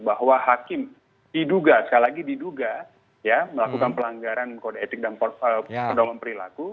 bahwa hakim diduga sekali lagi diduga melakukan pelanggaran kode etik dan pedoman perilaku